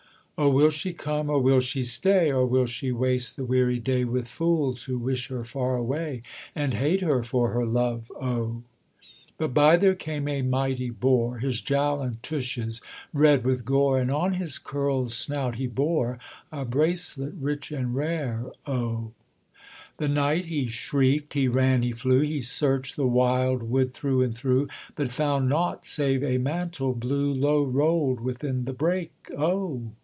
'Oh, will she come, or will she stay, Or will she waste the weary day With fools who wish her far away, And hate her for her love O?' But by there came a mighty boar, His jowl and tushes red with gore, And on his curled snout he bore A bracelet rich and rare O! The knight he shrieked, he ran, he flew, He searched the wild wood through and through, But found nought save a mantle blue, Low rolled within the brake O!